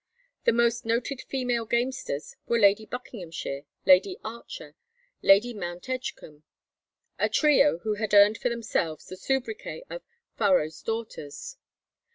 The most noted female gamesters were Lady Buckinghamshire, Lady Archer, Lady Mount Edgecombe, a trio who had earned for themselves the soubriquet of "Faro's Daughters."